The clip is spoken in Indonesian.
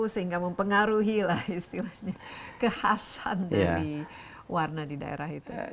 sehingga mempengaruhi lah istilahnya kekhasan dari warna di daerah itu